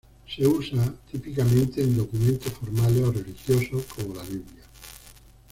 Se usa típicamente en documentos formales o religiosos, como la Biblia.